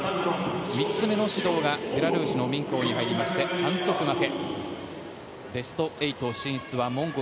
３つ目の指導がベラルーシのミンコウに入りまして反則負け。